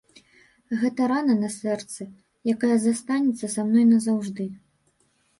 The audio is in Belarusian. Гэта рана на сэрцы, якая застанецца са мной назаўжды.